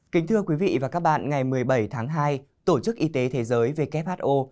kính thưa quý vị và các bạn ngày một mươi bảy tháng hai tổ chức y tế thế giới who